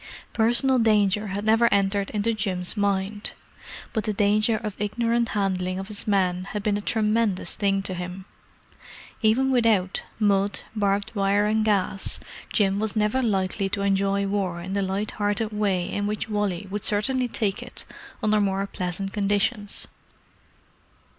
Personal danger had never entered into Jim's mind; but the danger of ignorant handling of his men had been a tremendous thing to him. Even without "mud, barbed wire, and gas" Jim was never likely to enjoy war in the light hearted way in which Wally would certainly take it under more pleasant conditions.